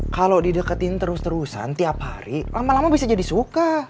kalau dideketin terus terusan tiap hari lama lama bisa jadi suka